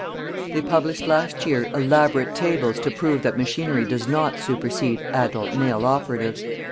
They published last year elaborate tables to prove that machinery does not supersede adult male operatives.